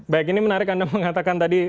baik ini menarik anda mengatakan tadi